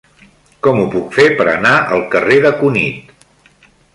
Com ho puc fer per anar al carrer de Cunit?